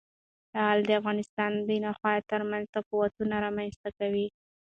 لعل د افغانستان د ناحیو ترمنځ تفاوتونه رامنځ ته کوي.